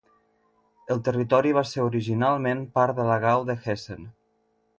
El territori va ser originalment part de la Gau de Hessen.